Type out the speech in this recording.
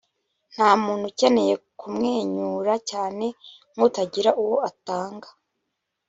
ntamuntu ukeneye kumwenyura cyane nkutagira uwo atanga